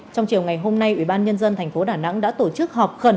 trong chiều ngày hôm nay ủy ban nhân dân tp đà nẵng đã tổ chức họp khẩn